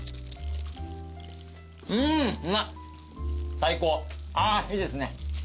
最高ああいいですね。